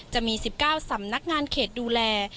จะมี๑๙สำนักงานเขตดูแล